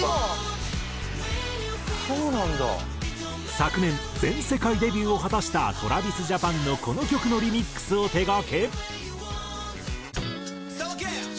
昨年全世界デビューを果たしたＴｒａｖｉｓＪａｐａｎのこの曲のリミックスを手がけ。